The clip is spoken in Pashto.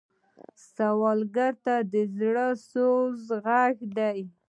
سوالګر د زړه سوې غږ دی